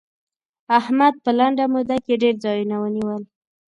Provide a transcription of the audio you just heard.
احمد په لنډه موده کې ډېر ځايونه ونيول.